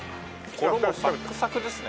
衣サックサクですね。